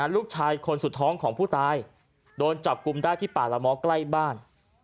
ลูกชายคนสุดท้องของผู้ตายโดนจับกลุ่มได้ที่ป่าละม้อใกล้บ้าน